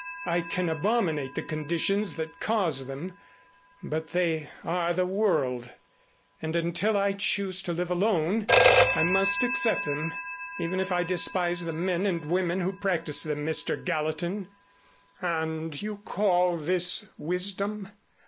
I can abominate the conditions that cause them, but they are the world. And, until I choose to live alone, I must accept them even if I despise the men and women who practice them, Mr. Gallatin." "And you call this wisdom?